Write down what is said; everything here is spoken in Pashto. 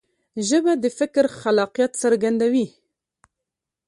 ژبه د فکر خلاقیت څرګندوي.